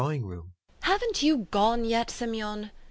Haven't you gone yet, Simeon?